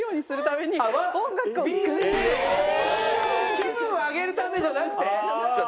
気分を上げるためじゃなくて？